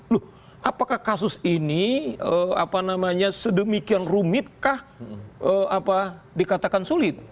loh apakah kasus ini apa namanya sedemikian rumitkah dikatakan sulit